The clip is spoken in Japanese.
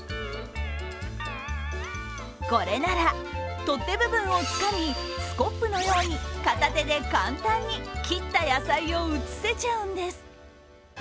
これなら取っ手部分をつかみスコップのように片手で簡単に切った野菜を移せちゃうんです。